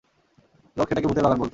লোকে সেটাকে ভূতের বাগান বলত।